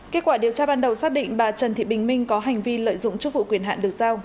kết quả điều tra ban đầu xác định bà trần thị bình minh có hành vi lợi dụng chức vụ quyền hạn được giao